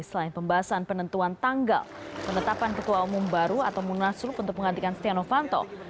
selain pembahasan penentuan tanggal penetapan ketua umum baru atau munaslup untuk menggantikan setia novanto